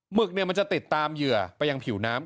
หึกมันจะติดตามเหยื่อไปยังผิวน้ำ